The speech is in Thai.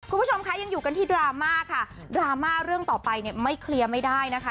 คุณผู้ชมคะยังอยู่กันที่ดราม่าค่ะดราม่าเรื่องต่อไปเนี่ยไม่เคลียร์ไม่ได้นะคะ